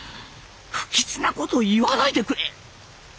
不吉なことを言わないでくれ。